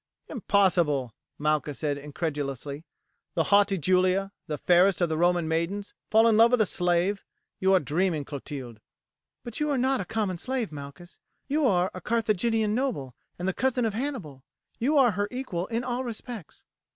"Impossible!" Malchus said incredulously. "The haughty Julia, the fairest of the Roman maidens, fall in love with a slave! You are dreaming, Clotilde." "But you are not a common slave, Malchus, you are a Carthaginian noble and the cousin of Hannibal. You are her equal in all respects."